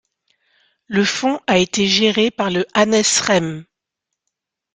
Le fonds a été géré par le Hannes Rehm.